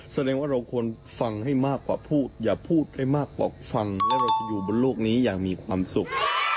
แสดงว่าเราควรฟังให้มากกว่าพูดอย่าพูดให้มากกว่าฟังแล้วเราจะอยู่บนโลกนี้อย่างมีความสุข